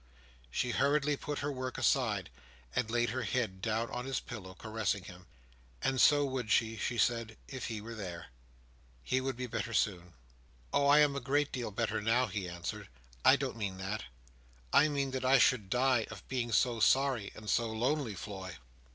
She hurriedly put her work aside, and laid her head down on his pillow, caressing him. And so would she, she said, if he were there. He would be better soon. "Oh! I am a great deal better now!" he answered. "I don't mean that. I mean that I should die of being so sorry and so lonely, Floy!"